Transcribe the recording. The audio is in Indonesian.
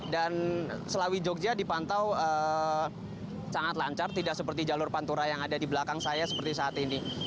dan selawi jogja dipantau sangat lancar tidak seperti jalur pantura yang ada di belakang saya seperti saat ini